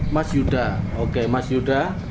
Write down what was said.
mas yuda oke mas yuda